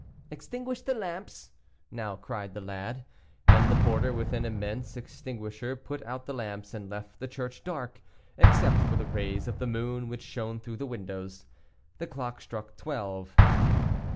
"Extinguish the lamps," now cried the lad; and the porter with an immense extinguisher put out the lamps, and left the church dark, except for the rays of the moon which shone through the windows. The clock struck twelve.